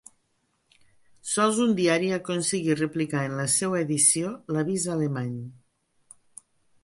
Sols un diari aconseguí replicar en la seua edició l'avís alemany.